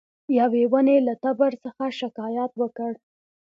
یوې ونې له تبر څخه شکایت وکړ.